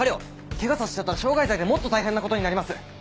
ケガさせちゃったら傷害罪でもっと大変なことになります。